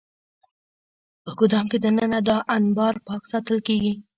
په ګدام کې دننه دا انبار پاک ساتل کېږي.